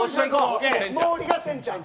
毛利がせんちゃん。